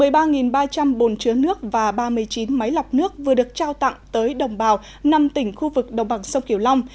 một mươi ba ba trăm linh bồn chứa nước và ba mươi chín máy lọc nước vừa được trao tặng tới đồng bào năm tỉnh khu vực đồng bằng sông kiều long